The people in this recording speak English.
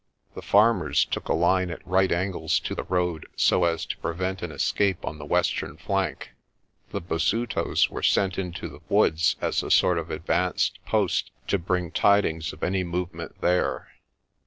The farmers took a line at right angles to the road so as to prevent an escape on the western flank. The Basutos were sent into the woods as a sort of advanced post to bring tid ings of any movement there.